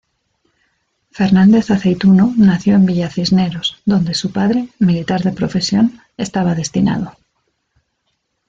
Fernández-Aceytuno nació en Villa Cisneros donde su padre, militar de profesión, estaba destinado.